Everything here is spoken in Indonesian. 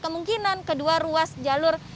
kemungkinan kedua ruas jalur